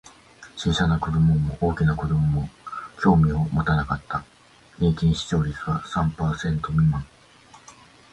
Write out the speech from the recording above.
小さな子供も大きな子供も興味を持たなかった。平均視聴率は三パーセント未満。